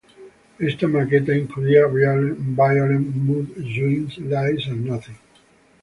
Esa maqueta incluía Violent Mood Swings, Lies, y Nothing.